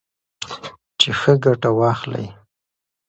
چې ښه ګټه واخلئ.